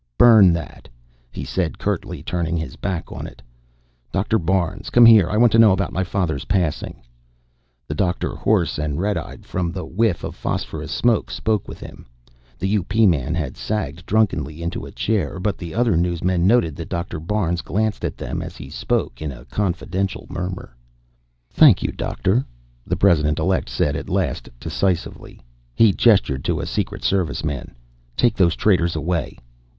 "Burn that," he said curtly, turning his back on it. "Dr. Barnes, come here. I want to know about my father's passing." The doctor, hoarse and red eyed from the whiff of phosphorus smoke, spoke with him. The U.P. man had sagged drunkenly into a chair, but the other newsmen noted that Dr. Barnes glanced at them as he spoke, in a confidential murmur. "Thank you, Doctor," the President Elect said at last, decisively. He gestured to a Secret Serviceman. "Take those traitors away."